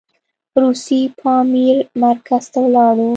روسي پامیر مرکز ته ولاړو.